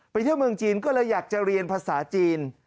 เที่ยวเมืองจีนก็เลยอยากจะเรียนภาษาจีน